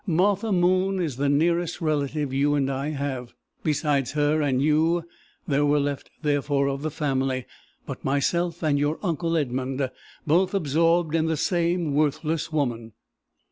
Martha Moon is the nearest relative you and I have. Besides her and you, there were left therefore of the family but myself and your uncle Edmund both absorbed in the same worthless woman.